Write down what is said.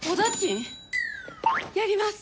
やります！